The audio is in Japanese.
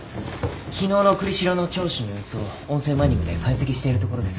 昨日の栗城の聴取の様子を音声マイニングで解析しているところです。